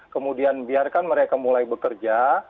kemudian biarkan mereka mulai bekerja